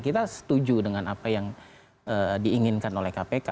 kita setuju dengan apa yang diinginkan oleh kpk